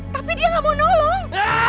tapi dia nggak mau nolong